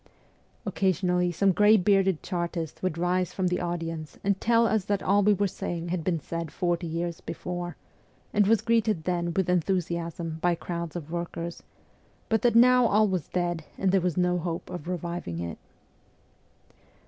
Occasionally some gray bearded Chartist would rise from the audience and tell us that all we were saying had been said forty years before, and was greeted then with enthusiasm by crowds of workers, but that now all was dead, and there was no hope of reviving it.